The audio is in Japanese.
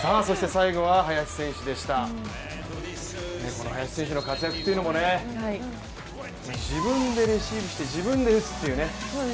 最後は林選手でした、林選手の活躍というのも自分でレシーブして自分で打つというね。